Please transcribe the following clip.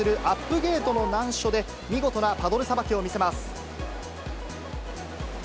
ゲートの難所で、見事なパドルさばきを見せます。